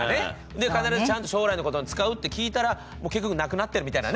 で必ずちゃんと将来のことに使うって聞いたら結局無くなってるみたいなね。